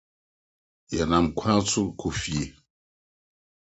Yɛnam kwan so rekɔ fie.